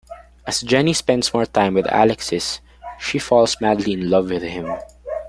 As Jenny spends more time with Alexis, she falls madly in love with him.